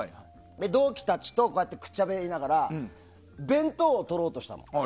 同期たちとくっちゃべりながら弁当を取ろうとしたの。